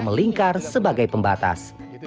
melingkar sebagai pembatas